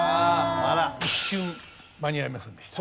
一瞬間に合いませんでした。